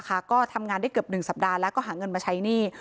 ก็ทำงานได้เกือบ๑สัปดาห์แล้วก็หาเงินมาใช้หนี้